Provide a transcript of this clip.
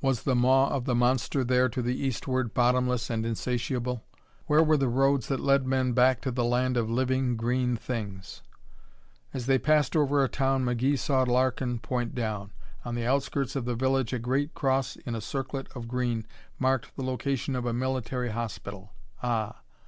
Was the maw of the monster there to the eastward bottomless and insatiable? Where were the roads that led men back to the land of living, green things? As they passed over a town, McGee saw Larkin point down. On the outskirts of the village a great cross in a circlet of green marked the location of a military hospital. Ah!...